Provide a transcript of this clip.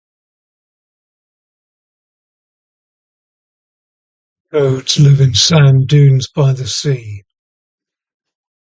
In parts of France midwife toads live in sand dunes by the sea.